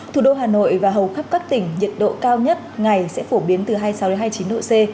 thủ đô hà nội và hầu khắp các tỉnh nhiệt độ cao nhất ngày sẽ phổ biến từ hai mươi sáu hai mươi chín độ c